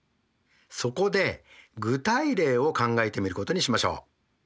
そこで具体例を考えてみることにしましょう。